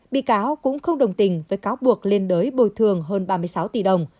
bị cáo cũng không đồng tình với cáo buộc liên đới bồi thường hơn ba mươi sáu tỷ đồng